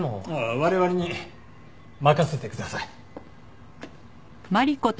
我々に任せてください。